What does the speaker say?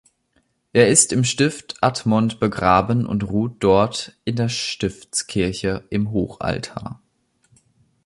Er ist im Stift Admont begraben und ruht dort in der Stiftskirche im Hochaltar.